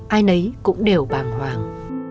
ai nấy cũng đều bàng hoàng